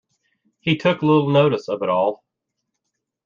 He took little notice of it at all.